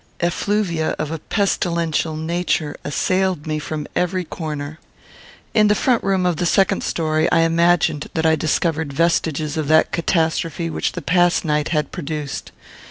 Effluvia of a pestilential nature assailed me from every corner. In the front room of the second story, I imagined that I discovered vestiges of that catastrophe which the past night had produced.